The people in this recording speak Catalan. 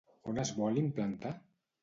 On es vol implantar?